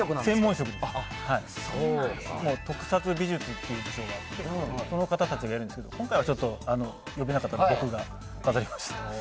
特撮美術という部署があってその方たちがやるんですが今回は呼べなかったので僕が飾りました。